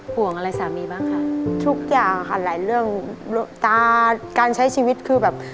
ห่วงอะไรสามีบ้างค่ะทุกอย่างค่ะหลายเรื่องตาการใช้ชีวิตคือแบบ